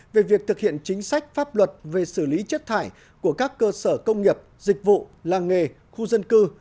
về việc thực hiện chính sách pháp luật về xử lý chất thải của các cơ sở công nghiệp dịch vụ làng nghề khu dân cư